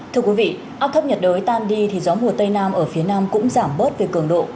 thưa quý vị áp thấp nhiệt đới tan đi thì gió mùa tây nam ở phía nam cũng giảm bớt về cường độ